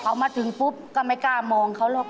เขามาถึงปุ๊บก็ไม่กล้ามองเขาหรอก